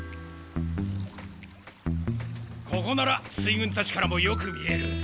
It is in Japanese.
ここなら水軍たちからもよく見える。